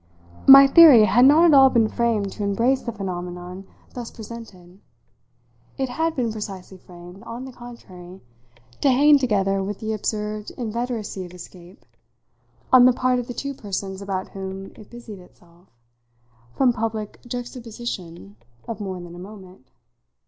My theory had not at all been framed to embrace the phenomenon thus presented; it had been precisely framed, on the contrary, to hang together with the observed inveteracy of escape, on the part of the two persons about whom it busied itself, from public juxtaposition of more than a moment.